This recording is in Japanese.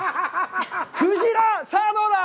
さあ、どうだ！？